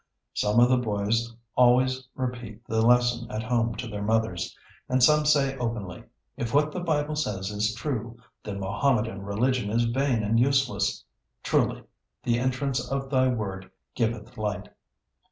Some of the boys always repeat the lesson at home to their mothers, and some say openly, "If what the Bible says is true, the Mohammedan religion is vain and useless." Truly, "the entrance of Thy word giveth light."